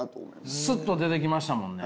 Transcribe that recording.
すっと出てきましたもんね。